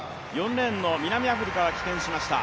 ４レーンの南アフリカは棄権しました。